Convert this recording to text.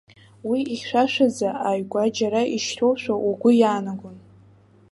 Уи хьшәашәаӡа, ааигәа џьара ишьҭоушәа угәы иаанагон.